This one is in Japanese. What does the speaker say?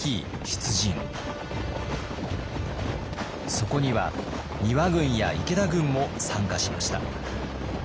そこには丹羽軍や池田軍も参加しました。